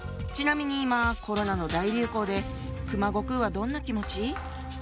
ちなみに今コロナの大流行で熊悟空はどんな気持ち？